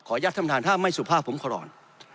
ขออนุญาตท่านท่านถ้าไม่สุภาพผมขอร้อน